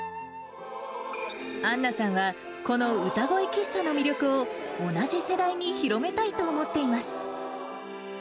アンナさんは、この歌声喫茶の魅力を同じ世代に広めたいと思っています。